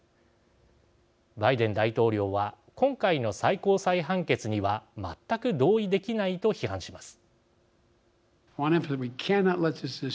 バイデン大統領は今回の最高裁判決には全く同意できないと批判します。